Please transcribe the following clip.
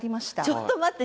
ちょっと待って。